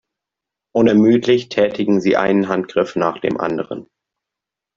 Unermüdlich tätigen sie einen Handgriff nach dem anderen.